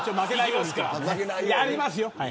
やりますよ。